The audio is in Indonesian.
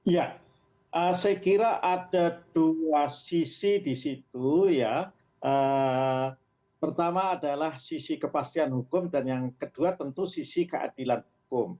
ya saya kira ada dua sisi di situ ya pertama adalah sisi kepastian hukum dan yang kedua tentu sisi keadilan hukum